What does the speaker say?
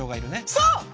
そう！